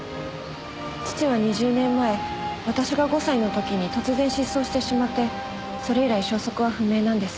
父は２０年前私が５歳の時に突然失踪してしまってそれ以来消息は不明なんです。